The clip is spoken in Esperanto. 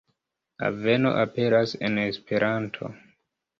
Aveno aperas en Esperanto.